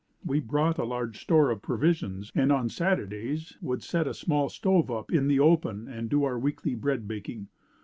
We brought a large store of provisions and on Saturdays would set a small stove up in the open and do our weekly bread baking.